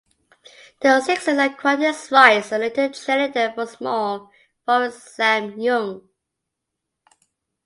The Sixers acquired his rights, and later traded them for small forward Sam Young.